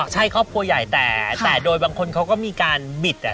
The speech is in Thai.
ใช่ครอบครัวใหญ่แต่โดยบางคนเขาก็มีการบิด